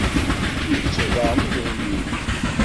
Yettu daɣen idrimen-nnes?